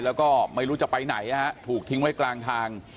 แล้วก็ไม่รู้จะไปไหนถูกทิ้งไว้กลางทาง